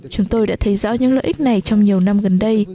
chúng tôi đã thấy rõ những lợi ích này trong nhiều năm gần đây